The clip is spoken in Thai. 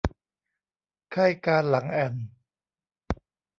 ไข้กาฬหลังแอ่น